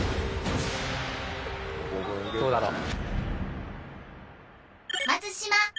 どうだろう？